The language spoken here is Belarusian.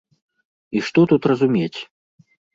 І што тут разумець?